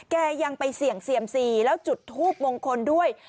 ยังไปเสี่ยงเซียมซีแล้วจุดทูปมงคลด้วย